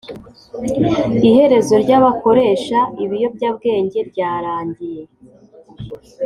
iherezo ry’abakoresha ibiyobyabwenge ryarangiye